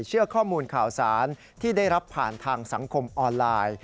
เชื่อข้อมูลข่าวสารที่ได้รับผ่านทางสังคมออนไลน์